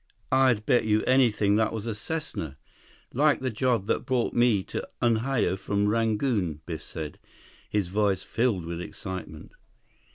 "I'd bet you anything that was a Cessna. Like the job that brought me to Unhao from Rangoon," Biff said, his voice filled with excitement.